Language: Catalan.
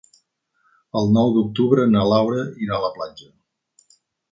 El nou d'octubre na Laura irà a la platja.